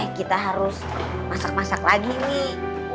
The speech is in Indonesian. eh kita harus masak masak lagi nih